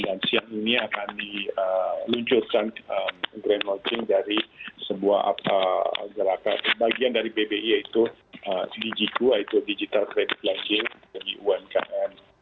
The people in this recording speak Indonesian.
dan siang ini akan diluncurkan grand launching dari sebuah gerakan bagian dari bbi yaitu digiku yaitu digital credit lanking bagi umkm